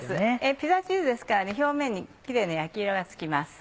ピザチーズですから表面にキレイな焼き色がつきます。